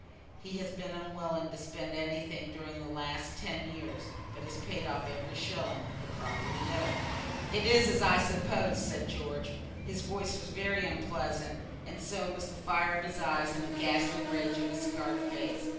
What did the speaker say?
He has been unwilling to spend anything during the last ten years, but has paid off every shilling that the property owed." "It is as I supposed," said George. His voice was very unpleasant, and so was the fire of his eyes and the ghastly rage of his scarred face.